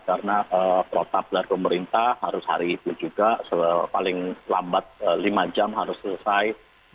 karena protap dari pemerintah harus hari itu juga paling lambat lima jam harus selesai